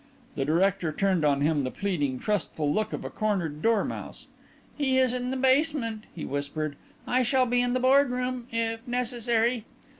The director turned on him the pleading, trustful look of a cornered dormouse. "He is in the basement," he whispered. "I shall be in the boardroom if necessary."